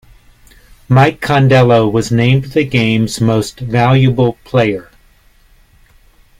Mike Condello was named the game's Most Valuable Player.